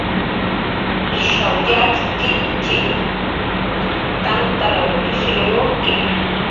Ishaw yatxktxi, Tantanhr qusill tukki